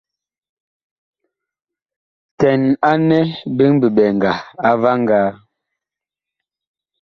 Kɛn anɛ biŋ biɓɛŋga a vaŋgaa.